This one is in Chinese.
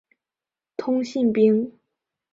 通信兵。